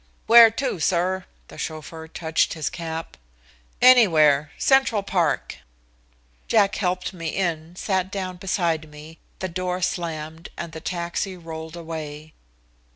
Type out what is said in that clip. "Where to, sir?" The chauffeur touched his cap. "Anywhere. Central Park." Jack helped me in, sat down beside me, the door slammed and the taxi rolled away.